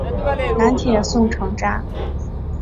南铁送场站。